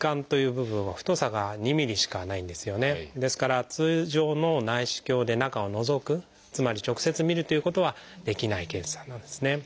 ですから通常の内視鏡で中をのぞくつまり直接みるということはできない検査なんですね。